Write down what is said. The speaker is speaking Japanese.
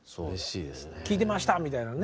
聴いてましたみたいなね。